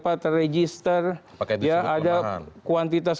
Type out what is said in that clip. apakah itu disebut kelemahan ya ada kuantitas